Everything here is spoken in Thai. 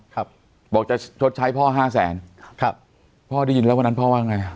ครับบอกจะชดใช้พ่อห้าแสนครับพ่อได้ยินแล้ววันนั้นพ่อว่าไง